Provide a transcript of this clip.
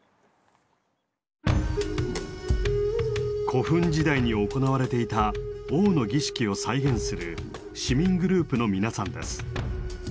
古墳時代に行われていた「王の儀式」を再現する市民グループの皆さんです。